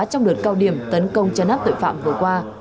trong đợt cao điểm tấn công chấn áp tội phạm vừa qua